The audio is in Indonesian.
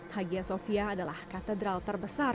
hagia sofia adalah katedral terbesar